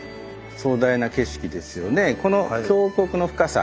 壮大な景色ですよね。